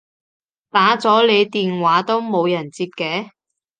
打咗你電話都冇人接嘅